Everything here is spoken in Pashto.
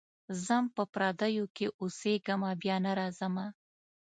ځم په پردیو کي اوسېږمه بیا نه راځمه.